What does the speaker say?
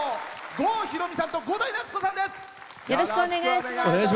郷ひろみさんと伍代夏子さんです。